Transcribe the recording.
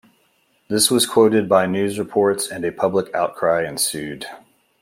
This was quoted by news reports and a public outcry ensued.